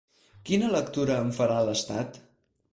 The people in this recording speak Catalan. Quina lectura en farà l’estat?